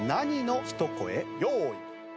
用意。